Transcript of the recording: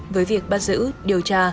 với việc bắt giữ điều tra